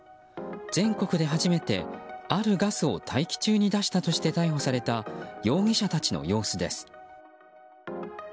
全国で初めて、あるガスを大気中に出したとして逮捕された容疑者たちの様子です。